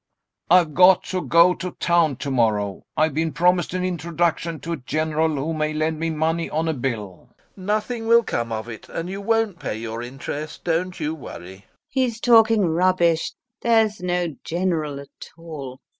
I've got to go to town tomorrow. I've been promised an introduction to a General who may lend me money on a bill. LOPAKHIN. Nothing will come of it. And you won't pay your interest, don't you worry. LUBOV. He's talking rubbish. There's no General at all.